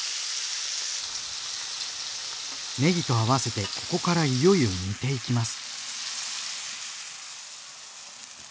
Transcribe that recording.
ねぎと合わせてここからいよいよ煮ていきます。